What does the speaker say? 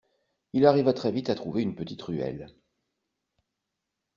Il arriva très vite à trouver une petite ruelle.